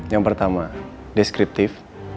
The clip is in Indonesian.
yang pertama deskriptif